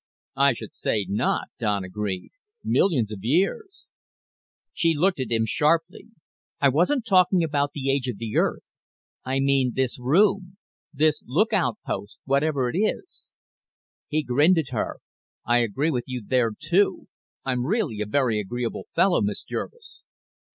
"I should say not," Don agreed. "Millions of years." She looked at him sharply. "I wasn't talking about the age of the Earth. I mean this room this lookout post whatever it is." He grinned at her. "I agree with you there, too. I'm really a very agreeable fellow, Miss Jervis.